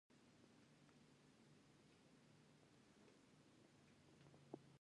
مرستیالان د رئیس الوزرا سره مرسته کوي